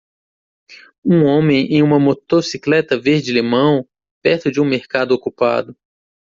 Um homem em uma motocicleta verde limão? perto de um mercado ocupado.